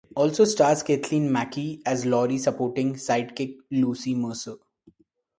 Also stars Kathleen Mackey as Laurie's supporting sidekick Lucy Mercer.